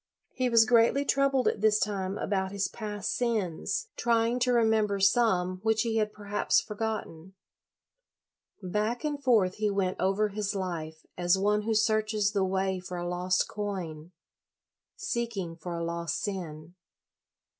He was greatly troubled at this time about his past sins, 60 LOYOLA trying to remember some which he had perhaps forgotten. Back and forth he went over his life, as one who searches the way for a lost coin, seeking for a lost sin.